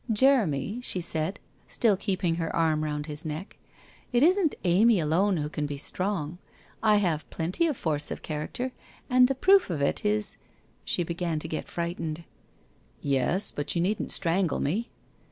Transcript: ' Jeremy,' she said, still keeping her arm round his neck, ' it isn't Amy alone who can be strong. I have plenty of force of character, and the proof of it is ' She began to get frightened. * Yes, but you needn't strangle me.'